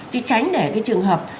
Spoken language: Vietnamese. chứ tránh để cái trường hợp